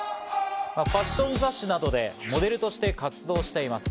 ファッション雑誌などでモデルとして活動しています。